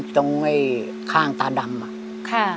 ที่ข้างตาดำอะ